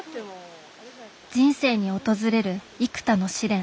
人生に訪れる幾多の試練。